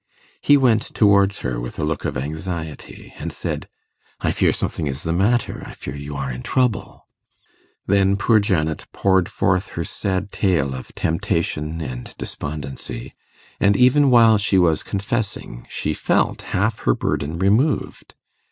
He went towards her with a look of anxiety, and said, 'I fear something is the matter. I fear you are in trouble.' Then poor Janet poured forth her sad tale of temptation and despondency; and even while she was confessing she felt half her burden removed.